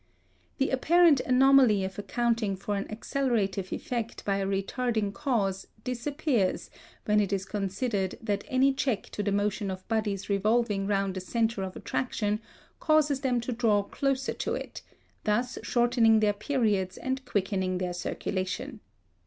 The apparent anomaly of accounting for an accelerative effect by a retarding cause disappears when it is considered that any check to the motion of bodies revolving round a centre of attraction causes them to draw closer to it, thus shortening their periods and quickening their circulation.